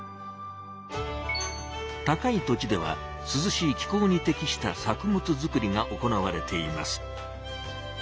高い土地ではすずしい気候に適した作物作りが行われています。